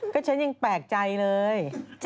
ก็ฉันยังแปลกใจเลย